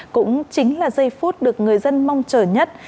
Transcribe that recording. cũng chính là giây phút được người dân mong chờ nhất